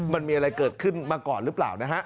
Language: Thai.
มันมีอะไรเกิดขึ้นมาก่อนหรือเปล่านะฮะ